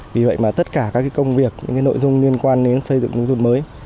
vì vậy mà tất cả các công việc những nội dung liên quan đến xây dựng nông thuật mới